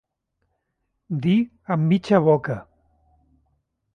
Dir amb mitja boca.